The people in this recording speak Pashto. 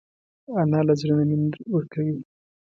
انا له زړه نه مینه ورکوي